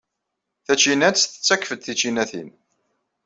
Tacinat tettakf-d ticinatin.